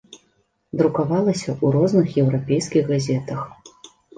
Друкавалася ў розных еўрапейскіх газетах.